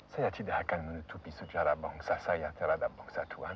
saya tidak akan menutupi sejarah bangsa saya terhadap bangsa tuhan